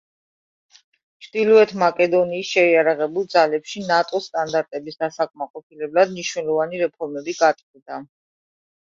ჩრდილოეთ მაკედონიის შეიარაღებულ ძალებში „ნატოს“ სტანდარტების დასაკმაყოფილებლად მნიშვნელობანი რეფორმები გატარდა.